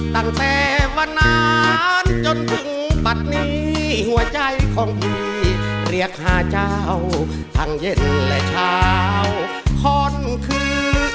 ตั้งแต่มานานจนถึงปัดนี้หัวใจของพี่เรียกหาเจ้าทั้งเย็นและเช้าคนคือ